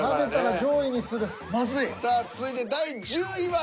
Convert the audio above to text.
さあ続いて第１０位は。